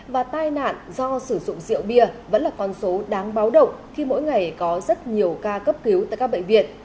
và tai nạn do sử dụng rượu bia vẫn là con số đáng báo động khi mỗi ngày có rất nhiều ca cấp cứu tại các bệnh viện